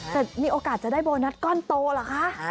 แต่มีโอกาสจะได้โบนัสก้อนโตเหรอคะ